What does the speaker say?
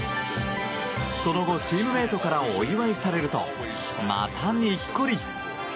その後、チームメートからお祝いされるとまた、にっこり。